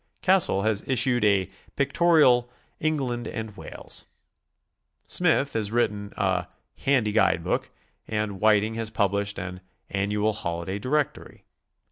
Cassell has issued a "Pictorial England and Wales," Smith has written a "Handy Guidebook," and Whiting has published an "'Annual Holiday Directory."